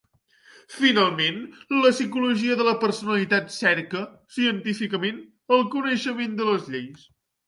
Finalment, la psicologia de la personalitat cerca, científicament, el coneixement de les lleis.